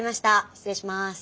失礼します。